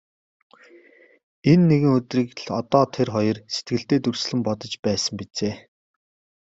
Энэ нэгэн өдрийг л одоо тэр хоёр сэтгэлдээ дүрслэн бодож байсан биз ээ.